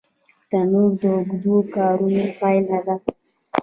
تنور د اوږدو کارونو پایله ده